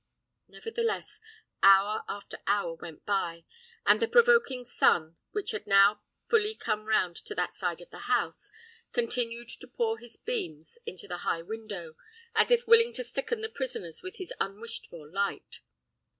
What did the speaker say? Nevertheless, hour after hour went by, and the provoking sun, which had now fully come round to that side of the house, continued to pour his beams into the high window, as if willing to sicken the prisoners with his unwished for light.